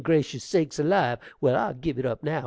gracious sakes alive! Well, I'll give it up now!